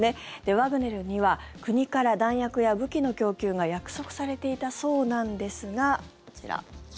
ワグネルには国から弾薬や武器の供給が約束されていたそうなんですがこちら。